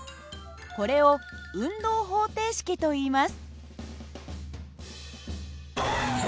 これを運動方程式といいます。